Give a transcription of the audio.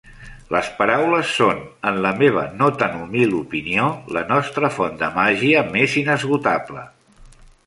Les paraules són, en la meva no tan humil opinió, la nostra font de màgia més inesgotable.